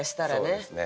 そうですね。